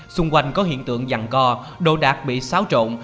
xung quanh có hiện tượng dằn co đồ đạc bị xáo trộn